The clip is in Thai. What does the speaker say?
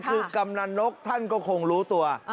คือกำนันนกท่านก็คงรู้ตัว